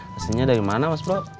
pesannya dari mana mas bro